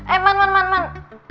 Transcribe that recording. eh man man man